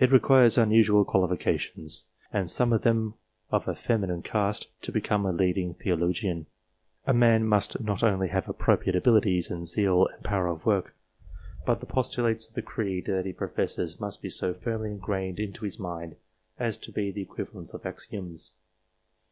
It requires unusual qualifications, and some of them of a feminine cast, to become a leading theologian. A man must not only have appropriate abilities, and zeal, and power of work, but the postulates of the creed that he professes must be so firmly ingrained into his mind, as to be the equivalents of axioms.